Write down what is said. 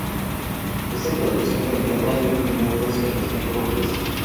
Esta producción vendió más de un millón doscientas mil copias.